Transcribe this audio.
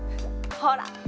ほら！